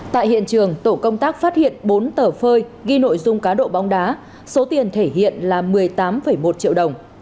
tại hiện trường tổ công tác phát hiện bốn tờ phơi ghi nội dung cá độ bóng đá số tiền thể hiện là một mươi tám một triệu đồng